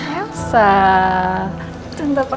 tbot tandoa sebelah